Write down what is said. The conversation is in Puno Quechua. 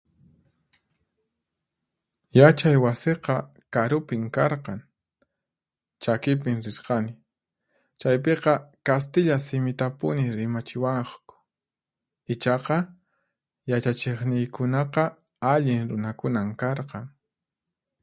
Yachay wasiqa karupin karqan, chakipin rirqani. Chaypiqa kastilla simitapuni rimachiwaqku, ichaqa yachachiqniykunaqa allin runakunan karqan.